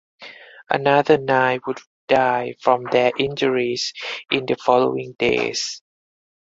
Another nine would die from their injuries in the following days.